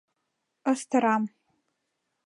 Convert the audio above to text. Ыстырам!..